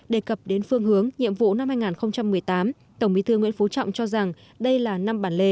đề cập đến phương hướng nhiệm vụ năm hai nghìn một mươi tám tổng bí thư nguyễn phú trọng cho rằng đây là năm bản lề